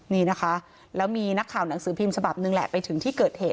นี่นะคะแล้วมีนักข่าวหนังสือพิมพ์ฉบับหนึ่งแหละไปถึงที่เกิดเหตุ